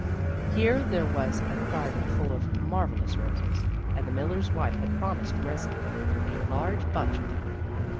Here there was a garden full of marvellous roses, and the mUler's wife had promised Resli a large bunch of them.